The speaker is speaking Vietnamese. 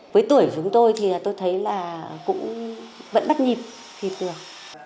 với tuổi chúng tôi thì tôi thấy là cũng vẫn bắt nhịp thì được